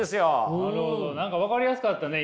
何か分かりやすかったね